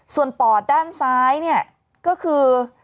ส่วนปอดด้านซ้ายเนี่ยก็คือ